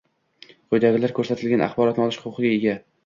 quyidagilar ko‘rsatilgan axborotni olish huquqiga ega: